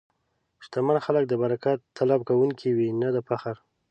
شتمن خلک د برکت طلب کوونکي وي، نه د فخر.